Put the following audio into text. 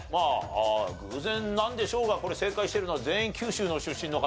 偶然なんでしょうがこれ正解しているのは全員九州の出身の方。